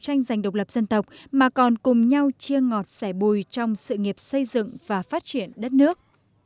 bên cạnh đó đoàn đã đến thăm và trao kinh phí hơn bốn tỷ đồng